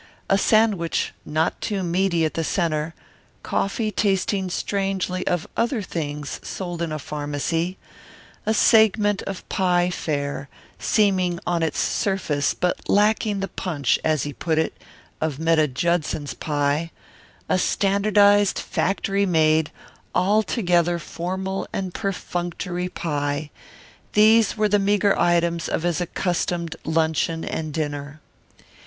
A sandwich, not too meaty at the centre, coffee tasting strangely of other things sold in a pharmacy, a segment of pie fair seeming on its surface, but lacking the punch, as he put it, of Metta Judson's pie, a standardized, factory made, altogether formal and perfunctory pie these were the meagre items of his accustomed luncheon and dinner.